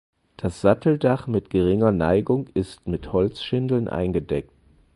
Das Satteldach mit geringer Neigung ist mit Holzschindeln eingedeckt.